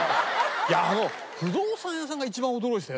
いやあの不動産屋さんが一番驚いてたよね。